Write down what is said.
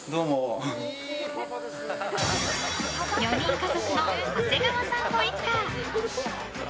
４人家族の長谷川さんご一家。